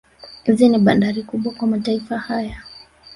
Hizi ni bandari kubwa kwa mataifa haya